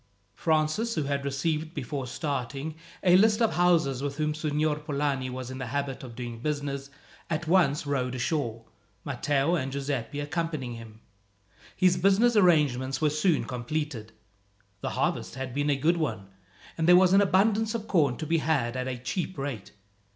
Francis, who had received before starting a list of houses with whom Signor Polani was in the habit of doing business, at once rowed ashore, Matteo and Giuseppi accompanying him. His business arrangements were soon completed. The harvest had been a good one, and there was an abundance of corn to be had at a cheap rate.